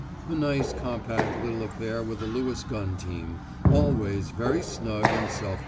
A nice compact little affair was a Lewis gun team; always very snug and self contained.